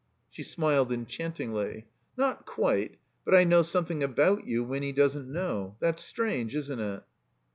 She smiled enchantingly. "Not quite. But I know something about you Winny doesn't know. That's strange, isn't it?"